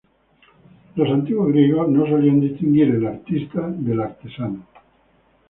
Los antiguos griegos no solían distinguir al artista del artesano.